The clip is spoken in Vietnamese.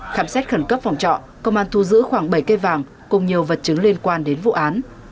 khám xét khẩn cấp phòng trọ công an thu giữ khoảng bảy cây vàng cùng nhiều vật chứng liên quan đến vụ án